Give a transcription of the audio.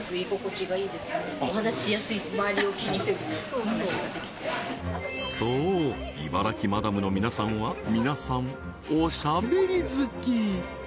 そうそうそう茨城マダムの皆さんは皆さんおしゃべり好き！